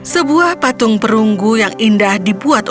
sebuah patung perunggu yang indah dibuat